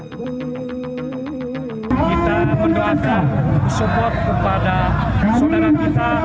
kita mendoakan support kepada saudara kita